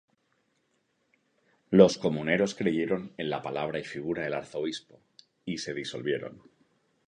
Los comuneros creyeron en la palabra y figura del arzobispo y se disolvieron.